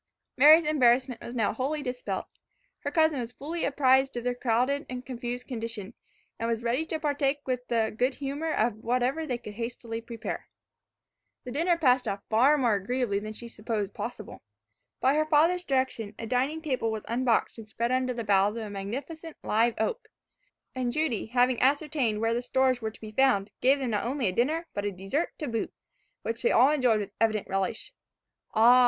Mary's embarrassment was now wholly dispelled. Her cousin was fully apprised of their crowded and confused condition, and was ready to partake with good humour of whatever they could hastily prepare. The dinner passed off far more agreeably than she supposed possible. By her father's direction, a dining table was unboxed and spread under the boughs of a magnificent live oak, and Judy, having ascertained where the stores were to be found, gave them not only a dinner, but a dessert to boot, which they all enjoyed with evident relish. Ah!